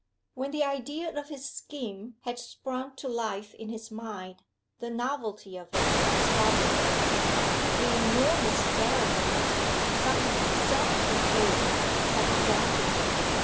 When the idea of his scheme had sprung to life in his mind, the novelty of it had startled him the enormous daring of it, suddenly self revealed, had daunted him.